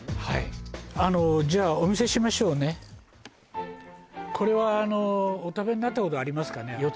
はいあのじゃあお見せしましょうねこれはお食べになったことありますかね